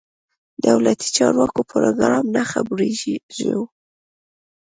دولتي چارواکو پروګرام نه خبرېږو.